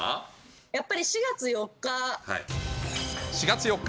やっぱり４月４日。